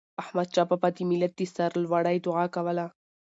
احمدشاه بابا به د ملت د سرلوړی دعا کوله.